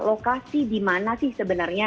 lokasi di mana sih sebenarnya